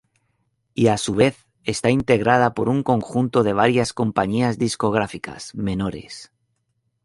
Y a su vez está integrada por un conjunto de varias compañías discográficas menores.